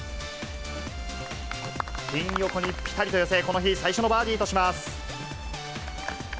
ピン横にぴたりと寄せ、この日、最初のバーディーとします。